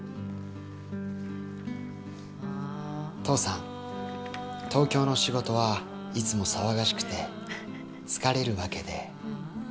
父さん、東京の仕事はいつも騒がしくて、疲れるわけで。